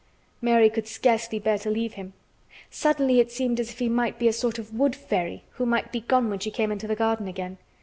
Mary could scarcely bear to leave him. Suddenly it seemed as if he might be a sort of wood fairy who might be gone when she came into the garden again.